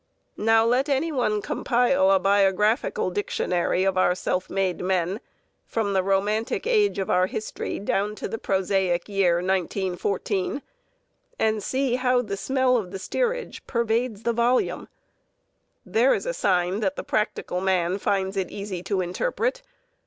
Now let any one compile a biographical dictionary of our self made men, from the romantic age of our history down to the prosaic year 1914, and see how the smell of the steerage pervades the volume! There is a sign that the practical man finds it easy to interpret.